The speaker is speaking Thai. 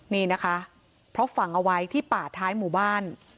นี่นะคะเพราะฝังเอาไว้ที่ป่าท้ายหมู่บ้าน